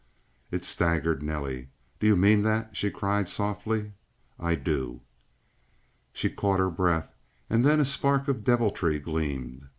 It staggered Nelly. "Do you mean that?" she cried softly. "I do." She caught her breath and then a spark of deviltry gleamed.